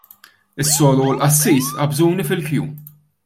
Is-soru u l-qassis qabżuni fil-kju.